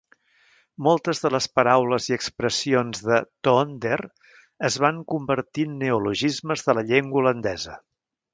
Moltes de les paraules i expressions de Toonder es van convertir en neologismes de la llengua holandesa.